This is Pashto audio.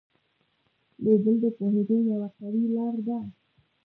لیدل د پوهېدو یوه قوي لار ده